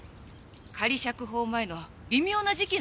仮釈放前の微妙な時期なのよ。